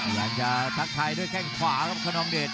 อยากจะทักทายด้วยแข้งขวาครับคนนองเดช